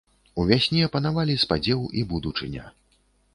У вясне панавалі спадзеў і будучыня.